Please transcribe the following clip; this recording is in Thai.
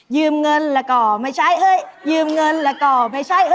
ยืมเงินละก่อไม่ใช่ยืมเงินละก่อไม่ใช่